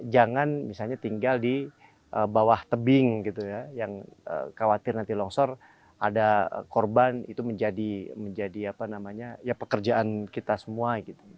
jangan misalnya tinggal di bawah tebing gitu ya yang khawatir nanti longsor ada korban itu menjadi pekerjaan kita semua gitu